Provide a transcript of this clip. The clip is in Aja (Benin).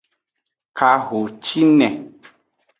Kahocine.